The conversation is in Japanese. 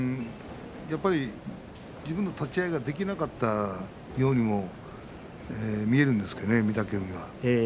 やっぱり自分の立ち合いができなかったようにも見えるんですけどね、御嶽海は。